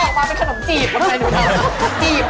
ออกมาเป็นขนมจีบ